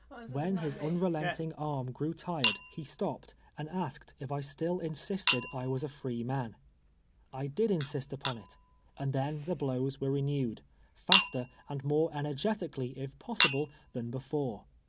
When his imrclcnting arm grew tired, ho tiip: wiiipriNO. 45 stopped and asked if I still insisted I was a free man. I did insist npon it, and then tlie blows were renewed, faster and more energetically, if possible, than before.